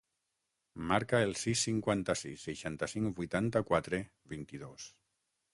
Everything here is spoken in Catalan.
Marca el sis, cinquanta-sis, seixanta-cinc, vuitanta-quatre, vint-i-dos.